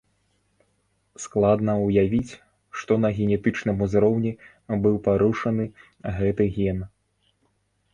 Складна ўявіць, што на генетычным узроўні быў парушаны гэты ген.